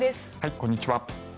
こんにちは。